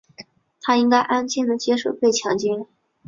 她应该安静地接受被强奸。